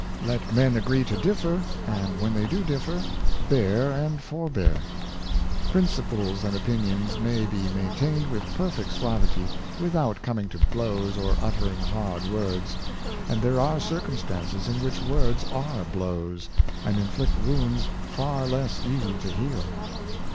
Let men agree to differ, and, when they do differ, bear and forbear. Principles and opinions may be main tained with perfect suavity, without coming to blows or uttering hard words; and there are circumstances in which words are blows, and inflict wounds far less easy to heal.